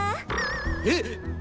えっ！？